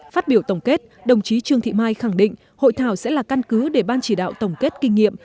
phát biểu tổng kết đồng chí trương thị mai khẳng định hội thảo sẽ là căn cứ để ban chỉ đạo tổng kết kinh nghiệm